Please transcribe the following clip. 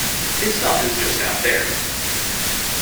His stuff is just out there.